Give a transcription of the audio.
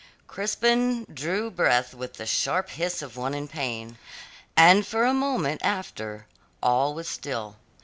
Crispin drew breath with the sharp hiss of one in pain, and for a moment after all was still.